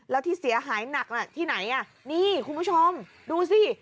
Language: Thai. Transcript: แล้วที่เสียหายหนักที่ไหนอ่ะนี่คุณผู้ชมดูสิ